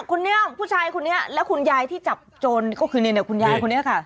คุณเนี่ยผู้ชายคุณเนี่ยแล้วคุณยายที่จับจนเขาคือเนี่ยเนี่ยคุณยายผมเนี่ยค่ะ